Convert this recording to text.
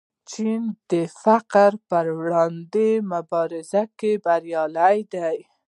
چین د فقر پر وړاندې مبارزه کې بریالی دی.